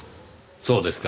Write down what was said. そうですか。